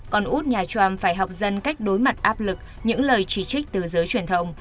còn út nhà tram phải học dân cách đối mặt áp lực những lời chỉ trích từ giới truyền thông